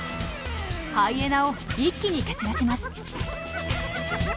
ハイエナを一気に蹴散らします。